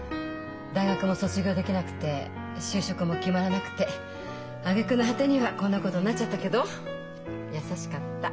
大学も卒業できなくて就職も決まらなくてあげくの果てにはこんなことになっちゃったけど優しかった。